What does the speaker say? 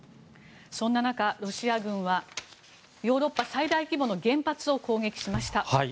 そんな中、ロシア軍はヨーロッパ最大規模の原発を攻撃しました。